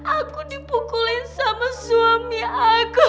aku dipukulin sama suami aku